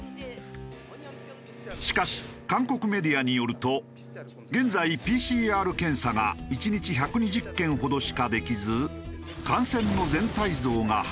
しかし韓国メディアによると現在ＰＣＲ検査が１日１２０件ほどしかできず。